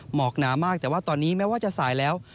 หมอกหนามากแต่ว่าตอนนี้แม้ว่าจะสายแล้ว